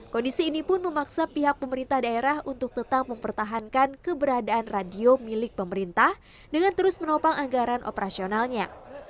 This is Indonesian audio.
kondisi ini pun memaksa pihak pemerintah daerah untuk tetap mempertahankan keberadaan radio milik pemerintah dengan terus menopang anggaran operasionalnya